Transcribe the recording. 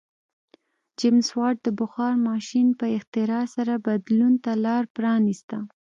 جېمز واټ د بخار ماشین په اختراع سره بدلون ته لار پرانیسته.